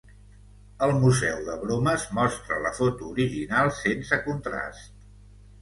El Museu de bromes mostra la foto original sense contrast.